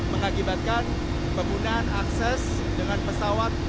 mengakibatkan penggunaan akses dengan pesawat